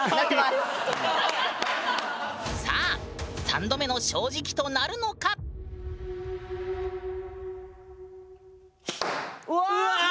さあ３度目の正直となるのか⁉うわ！